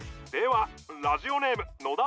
ではラジオネーム」え？